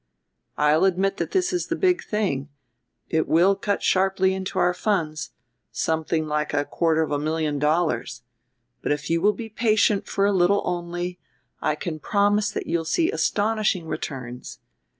"I'll admit that this is a big thing, it will cut sharply into our funds something like a quarter of a million dollars. But, if you will be patient for a little only, I can promise that you'll see astonishing returns.